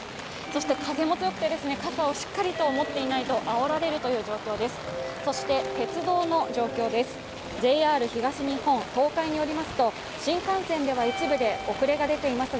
そして、風も強くて傘をしっかり持っていないとあおられる状況です。